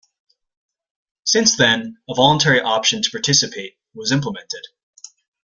Since then, a voluntary option to participate was implemented.